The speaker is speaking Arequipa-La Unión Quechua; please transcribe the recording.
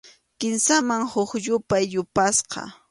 Kimsaman huk yupay yapasqa.